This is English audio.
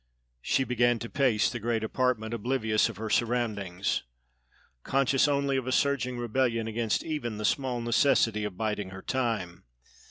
She began to pace the great apartment, oblivious of her surroundings, conscious only of a surging rebellion against even the small necessity of biding her time.